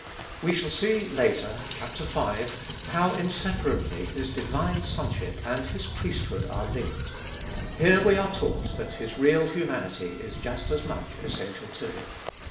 We shall see later (chap, v.) how inseparably His divine sonship and His priesthood are linked. Here we are taught that His real humanity is just as much essential to it.